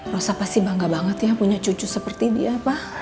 rosa pasti bangga banget ya punya cucu seperti dia pak